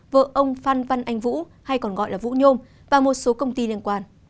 vợ ông phan văn anh vũ hay còn gọi là vũ nhôm và một số công ty liên quan